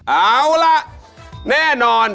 เอาล่ะแน่นอน